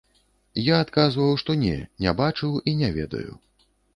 Я адказваў, што не, не бачыў і не ведаю.